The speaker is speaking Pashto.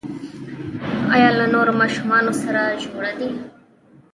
ایا له نورو ماشومانو سره جوړ دي؟